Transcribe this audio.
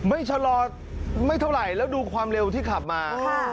ชะลอไม่เท่าไหร่แล้วดูความเร็วที่ขับมา